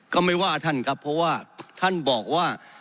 ก็ไม่ว่าท่านครับเพราะว่าท่านบอกว่า